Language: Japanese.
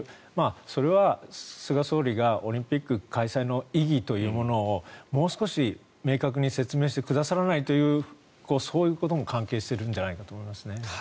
それは菅総理がオリンピック開催の意義というものをもう少し明確に説明してくださらないというそういうことも関係していると思いますね。